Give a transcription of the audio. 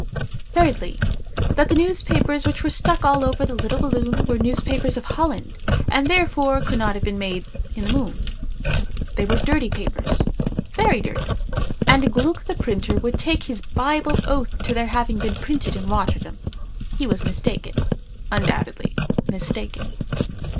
Thirdly. That the newspapers which were stuck all over the little balloon were newspapers of Holland, and therefore could not have been made in the moon. They were dirty papers—very dirty—and Gluck, the printer, would take his Bible oath to their having been printed in Rotterdam. He was mistaken—undoubtedly—mistaken.